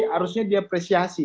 harusnya dia apresiasi